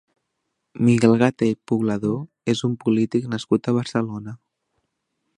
Miguel Gatell Poblador és un polític nascut a Barcelona.